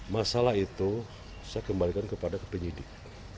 masalah itu saya kembalikan kepada ke penyidik